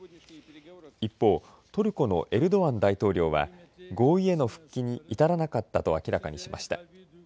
一方トルコのエルドアン大統領は合意への復帰に至らなかったと明らかにしました。